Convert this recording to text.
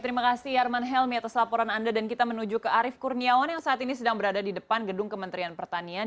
terima kasih arman helmi atas laporan anda dan kita menuju ke arief kurniawan yang saat ini sedang berada di depan gedung kementerian pertanian